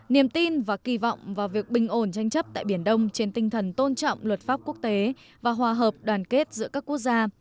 niềm tin và kỳ vọng vào việc bình ổn tranh chấp tại biển đông trên tinh thần tôn trọng luật pháp quốc tế và hòa hợp đoàn kết giữa các quốc gia